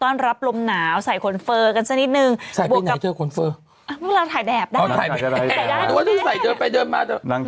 นั่งถ่ายซึ่งสำอางน้าง